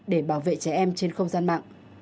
để bảo vệ trẻ em trên không gian mạng